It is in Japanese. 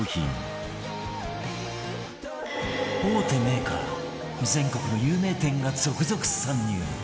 大手メーカー全国の有名店が続々参入